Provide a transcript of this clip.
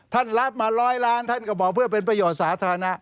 รับมาร้อยล้านท่านก็บอกเพื่อเป็นประโยชน์สาธารณะ